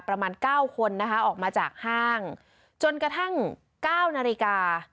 ประมาณ๙คนนะคะออกมาจากห้างจนกระทั่ง๙นาฬิกา